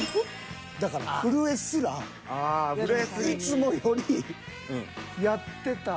だから震えすらいつもよりやってた。